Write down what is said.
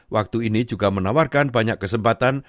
waktu ini juga menawarkan banyak kesempatan